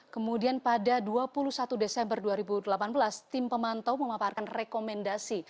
kemudian pada dua puluh satu desember dua ribu delapan belas tim pemantau memaparkan rekomendasi